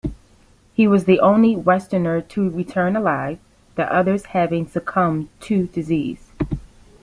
He was the only Westerner to return alive, the others having succumbed to disease.